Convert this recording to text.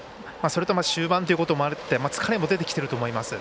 終盤ということもあって疲れも出てきてると思います。